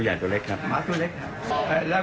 หมาตัวเล็กครับ